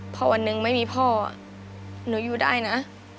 พอวันหนึ่งไม่มีพ่อหนูอยู่ได้นะ